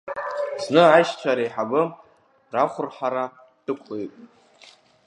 Зны аишьцәа реиҳабы рахәырҳара ддәықәлеит.